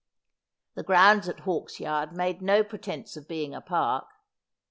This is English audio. The grounds at Hawks yard made no pretence of being a park.